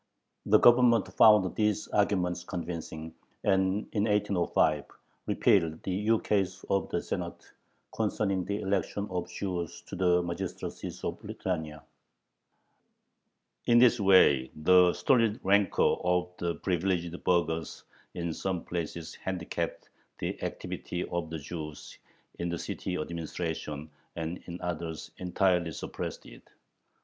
The Government found these arguments convincing, and in 1805 repealed the ukase of the Senate concerning the election of Jews to the magistracies of Lithuania. In this way the stolid rancor of the "privileged" burghers in some places handicapped the activity of the Jews in the city administration, and in others entirely suppressed it.